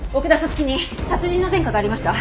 月に殺人の前科がありました。